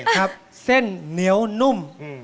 ครับเส้นเหนียวนุ่ม